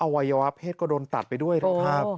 วัยวะเพศก็โดนตัดไปด้วยนะครับ